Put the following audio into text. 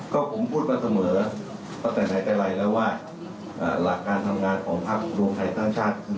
ก็ผมพูดมาเสมอตั้งแต่ไหนไกลแล้วว่าหลักการทำงานของภาพโรงไทยท่านชาติ